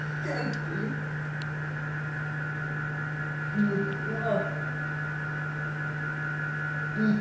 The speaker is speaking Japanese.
言うことが。